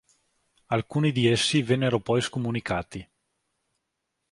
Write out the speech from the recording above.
Alcuni di essi vennero poi scomunicati.